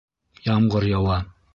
Ямғыр яуа